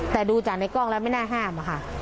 แต่ดูจากในกล้องแล้วไม่น่าห้ามอะค่ะ